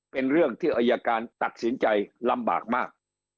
เป็นเรื่องที่อายการตัดสินใจลำบากมาก